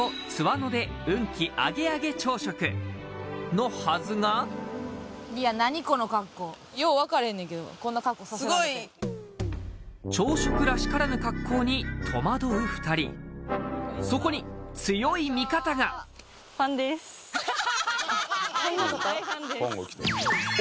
のはずがいや何この格好よう分かれへんねんけどこんな格好させられてすごい朝食らしからぬ格好に戸惑う２人そこに強い味方がハハハハ大ファンです